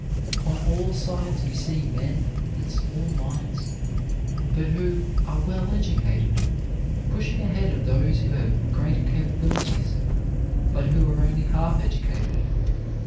On all sides we see men with small minds, but who are well educated, pushing ahead of those who have greater capabilities, but who are only half educated.